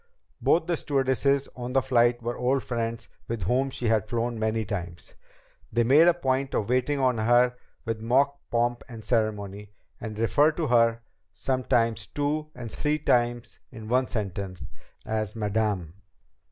Both the stewardesses on the flight were old friends with whom she had flown many times. They made a point of waiting on her with mock pomp and ceremony, and referred to her, sometimes two and three times in one sentence, as "Madame."